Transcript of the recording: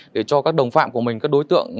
để cho các đồng phạm của mình các đối tượng